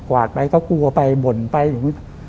กวาดไปก็กลัวไปบ่นไปอยู่